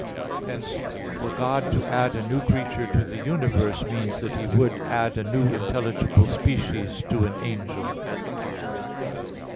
Hence, for God to add a new creature to the universe, means that He would add a new intelligible species to an angel.